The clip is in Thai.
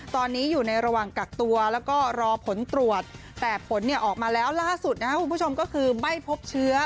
ตอนนี้อยู่ในระหว่างกักตัวแล้วก็รอผลตรวจแต่ผลออกมาแล้วล่าสุดนะครับคุณผู้ชมก็คือไม่พบเชื้อ